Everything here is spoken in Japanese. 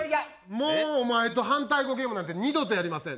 もうお前と反対語ゲームなんて二度とやりません。